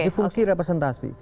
jadi fungsi representasi